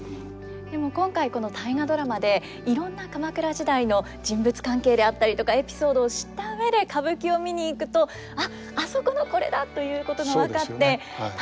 でも今回この「大河ドラマ」でいろんな鎌倉時代の人物関係であったりとかエピソードを知った上で歌舞伎を見に行くと「あっあそこのこれだ」ということが分かって楽しいでしょうね。